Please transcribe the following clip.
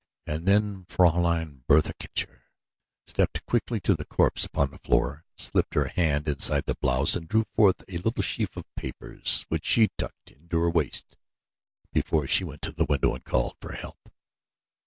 And then Fraulein Bertha Kircher stepped quickly to the corpse upon the floor, slipped her hand inside the blouse and drew forth a little sheaf of papers which she tucked into her waist before she went to the window and called for help.